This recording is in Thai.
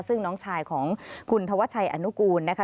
ซึ่งน้องชายของคุณธวัชชัยอนุกูลนะคะ